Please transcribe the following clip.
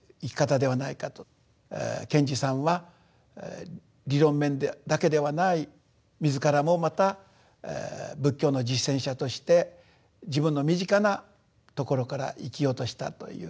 賢治さんは理論面だけではない自らもまた仏教の実践者として自分の身近なところから生きようとしたという。